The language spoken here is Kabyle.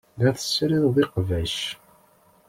La tessirideḍ iqbac.